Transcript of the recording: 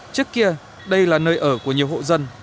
trước kia đây là nơi ở của nhiều hộ dân